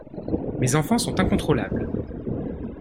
Mes enfants sont incontrôlables.